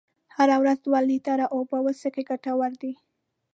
هره ورځ دوه لیتره اوبه وڅښئ ګټورې دي.